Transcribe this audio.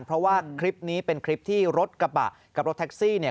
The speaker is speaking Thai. เพราะว่าคลิปนี้เป็นคลิปที่รถกระบะกับรถแท็กซี่เนี่ย